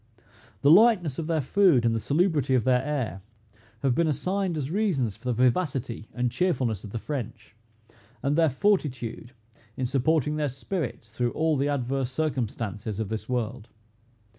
The lightness of their food, and the salubrity of their air, have been assigned as reasons for the vivacity and cheerfulness of the French, and their fortitude, in supporting their spirits through all the adverse circumstances of this world.